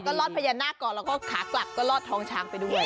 ก็ลอดพญานาคก่อนแล้วก็ขากลับก็ลอดท้องช้างไปด้วย